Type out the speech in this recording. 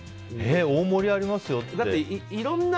大盛りありますよって。